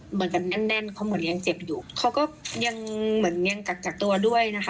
เหมือนกันแน่นแน่นเขาเหมือนยังเจ็บอยู่เขาก็ยังเหมือนยังกักกักตัวด้วยนะคะ